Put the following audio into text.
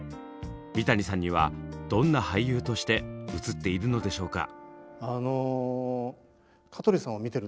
三谷さんにはどんな俳優として映っているのでしょうか？